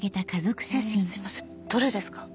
すいませんどれですか？